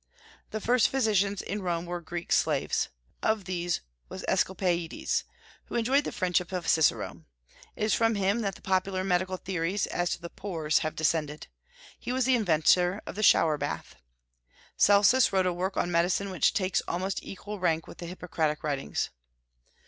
The first physicians in Rome were Greek slaves. Of these was Asclepiades, who enjoyed the friendship of Cicero. It is from him that the popular medical theories as to the "pores" have descended. He was the inventor of the shower bath. Celsus wrote a work on medicine which takes almost equal rank with the Hippocratic writings.